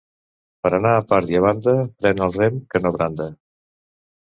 Per anar a part i a banda, pren el rem que no branda.